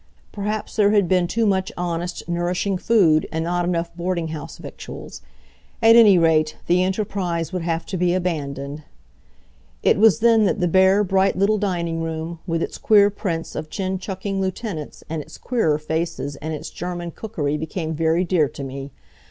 Perhaps there had been too much honest, nourishing food, and not enough boarding house victuals. At any rate, the enterprise would have to be abandoned. It was then that the bare, bright little dining room, with its queer prints of chin chucking lieutenants, and its queerer faces, and its German cookery became very dear to me.